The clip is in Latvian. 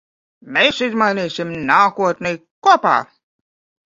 Mēs izmainīsim nākotni kopā.